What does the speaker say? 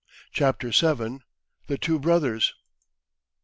CHAPTER VII. THE TWO BROTHERS.